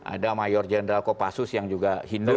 ada mayor jenderal kopassus yang juga hindu